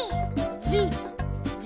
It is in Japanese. じじ？